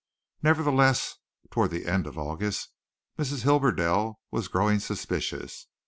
Nevertheless, toward the end of August Mrs. Hibberdell was growing suspicious.